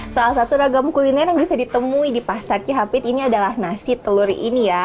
salah satu ragam kuliner yang bisa ditemui di pasar cihapit ini adalah nasi telur ini ya